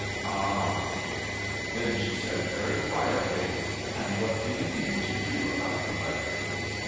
"Ah!" Then she said very quietly: "And what do you mean to do about the letter?"